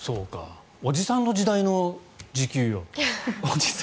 おじさんの時代の時給よ。